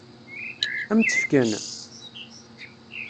Ad m-tt-fken?